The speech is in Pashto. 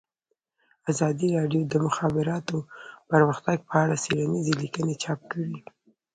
ازادي راډیو د د مخابراتو پرمختګ په اړه څېړنیزې لیکنې چاپ کړي.